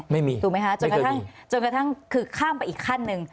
ไม่มีไม่เคยมีจนกระทั่งคือข้ามไปอีกขั้นนึง